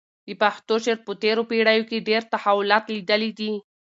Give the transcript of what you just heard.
د پښتو شعر په تېرو پېړیو کې ډېر تحولات لیدلي دي.